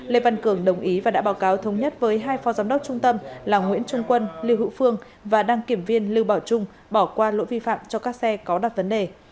lê văn cường đồng ý và đã báo cáo thống nhất với hai phó giám đốc trung tâm là nguyễn trung quân lưu hữu phương và đăng kiểm viên lưu bảo trung bỏ qua lỗi vi phạm cho các xe có đặt vấn đề